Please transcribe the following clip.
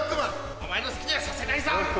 お前の好きにはさせないぞ！